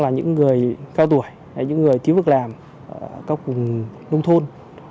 những người cao tuổi những người thiếu vực làm cao cùng nông thôn